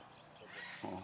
hitam pakai udeng